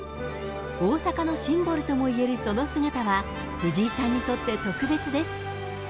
大阪のシンボルとも言えるその姿は藤井さんにとって特別です。